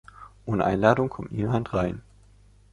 Ohne Einladung kommt niemand rein.